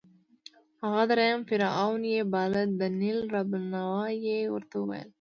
هغه درېیم فرعون یې باله، د نېل رب النوع یې ورته ویل.